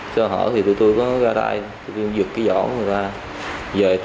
cho họ thì tụi tôi có gai đai tụi tôi cũng giựt cái giỏ của người ta